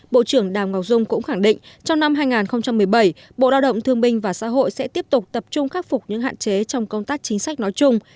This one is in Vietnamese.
bộ trưởng đào ngọc dung cũng khẳng định trong năm hai nghìn một mươi bảy bộ đạo động thương minh và xã hội sẽ tiếp tục tập trung khắc phục những hạn chế trong công tác chính sách nói chung